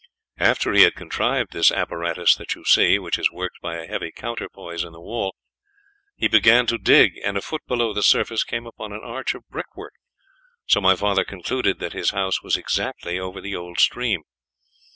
After he had contrived this apparatus that you see, which is worked by a heavy counterpoise in the wall, he began to dig, and a foot below the surface came upon an arch of brickwork, so my father concluded that his house was exactly over the old stream.